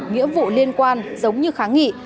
nghĩa vụ liên quan giống như kháng nghị